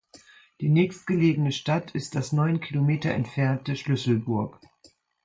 Die nächstgelegene Stadt ist das neun Kilometer entfernte Schlüsselburg.